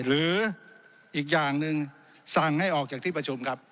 หรืออีกอย่างหนึ่งสั่งให้ออกจากที่ประชุมครับ